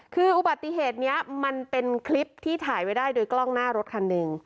คืออุบัติเหตุนี้มันเป็นคลิปที่ถ่ายไว้ได้โดยกล้องหน้ารถคันหนึ่ง